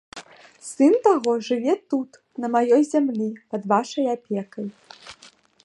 Сын таго жыве тут, на маёй зямлі, пад вашай апекай.